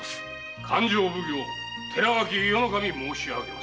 勘定奉行・寺脇伊予守申し上げます。